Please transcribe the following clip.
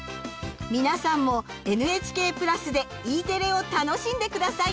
皆さんもＮＨＫ＋でＥテレを楽しんで下さい。